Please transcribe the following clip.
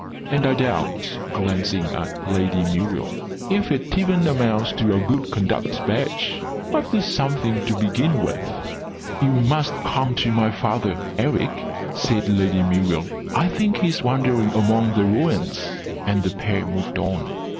"And I doubt," glancing at Lady Muriel, "if it even amounts to a good conduct badge! But it's something to begin with." "You must come to my father, Eric," said Lady Muriel. "I think he's wandering among the ruins." And the pair moved on.